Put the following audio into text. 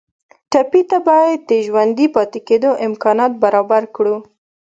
ټپي ته باید د ژوندي پاتې کېدو امکانات برابر کړو.